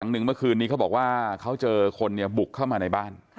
หนึ่งเมื่อคืนนี้เขาบอกว่าเขาเจอคนเนี่ยบุกเข้ามาในบ้าน